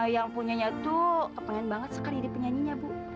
yang punyanya tuh kepengen banget sekar jadi penyanyinya bu